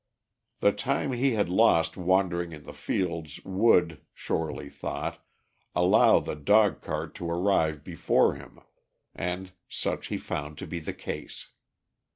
The time he had lost wandering in the fields would, Shorely thought, allow the dog cart to arrive before him, and such he found to be the case.